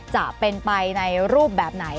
จะเป็นไปในรูปแบบไหน